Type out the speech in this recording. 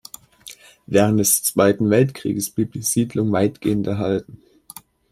Während des Zweiten Weltkrieges blieb die Siedlung weitgehend erhalten.